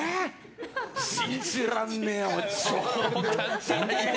信じらんねえよ！